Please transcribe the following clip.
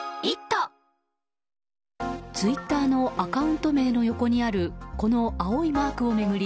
ツイッターのアカウント名の横にあるこの青いマークを巡り